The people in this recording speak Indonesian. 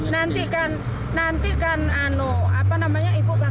nanti kan nanti kan ibu panggil aku gitu kan